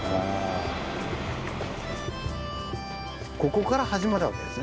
ここから始まるわけですね